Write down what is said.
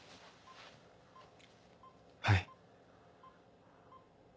はい。